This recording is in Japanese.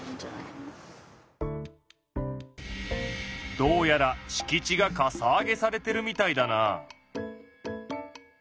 どうやらしき地がかさ上げされてるみたいだな。